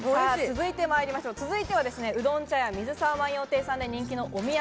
続いても、うどん茶屋水沢万葉亭で人気のお土産。